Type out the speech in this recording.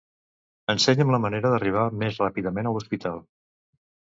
Ensenya'm la manera d'arribar més ràpidament a l'hospital.